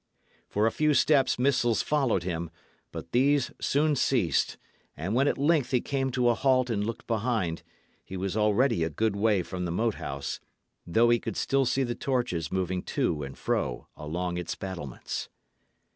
For a few steps missiles followed him, but these soon ceased; and when at length he came to a halt and looked behind, he was already a good way from the Moat House, though he could still see the torches moving to and fro along its battlements.